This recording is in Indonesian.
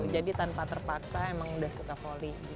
jadi tanpa terpaksa memang sudah suka volley